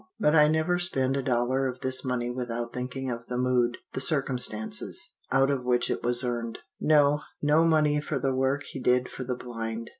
But I never spend a dollar of this money without thinking of the mood the circumstances out of which it was earned. "No no money for the work he did for the blind.